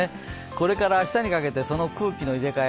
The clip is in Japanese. これから明日にかけて、その空気の入れ換え